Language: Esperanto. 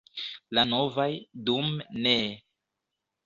La novaj – dume ne.